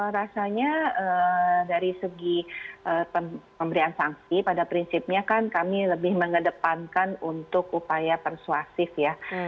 rasanya dari segi pemberian sanksi pada prinsipnya kan kami lebih mengedepankan untuk upaya persuasif ya